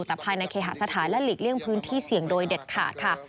แต่ภายในเคหสถานและหลีกเลี่ยงพื้นที่เสี่ยงโดยเด็ดขาดค่ะ